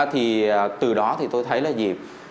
thì từ đó thì tôi thấy là gì